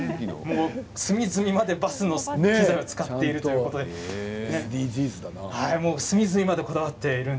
隅々までバスのものを使っているということです。